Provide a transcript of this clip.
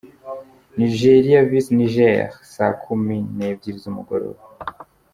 Nigeria vs Niger: saa kumi n’ebyiri z’umugoroba.